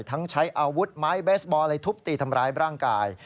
ทั้งใช้อาวุธไม้เบสบอลอะไรทุบตีทำร้ายร่างกาย